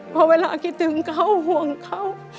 พอเวลาคิดถึงเขาห่วงเขา